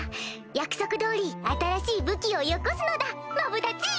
約束通り新しい武器をよこすのだマブダチ！